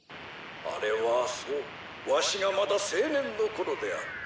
あれはそうわしがまだ青年のころであった。